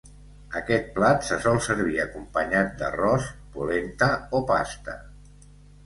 Aquest plat se sol servir acompanyat d'arròs, polenta o pasta.